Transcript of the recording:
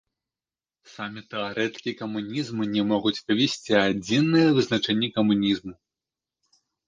Самі тэарэтыкі камунізму не могуць вывесці адзінае вызначэнне камунізму.